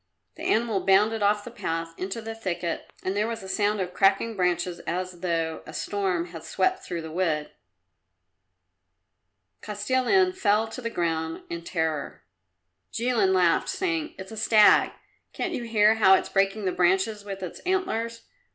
The animal bounded off the path into the thicket and there was a sound of cracking branches as though a storm had swept through the wood. Kostilin fell to the ground in terror; Jilin laughed, saying, "It's a stag. Can't you hear how it's breaking the branches with its antlers?